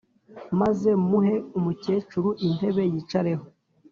maze muhe umukecuru intebe yicareho,